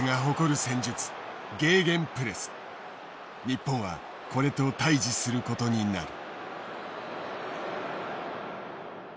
日本はこれと対じすることになる。